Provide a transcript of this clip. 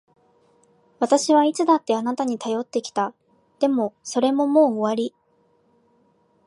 私はいつだってあなたに頼ってきた。でも、それももう終わり。